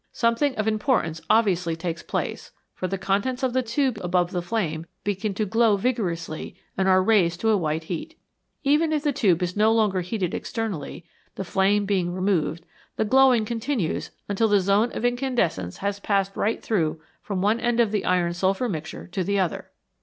Something of importance obviously takes place, for the contents of the tube above the flame begin to glow vigorously and are raised to a white heat. Even if the tube is no longer heated externally, the flame being re moved, the glowing continues until the zone of incan descence has passed right through from one end of the iron sulphur mixture to the other.